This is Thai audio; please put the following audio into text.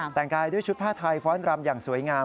แต่งกายด้วยชุดผ้าไทยฟ้อนรำอย่างสวยงาม